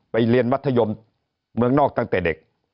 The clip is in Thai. เรียนมัธยมเมืองนอกตั้งแต่เด็ก